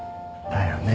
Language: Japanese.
だよね。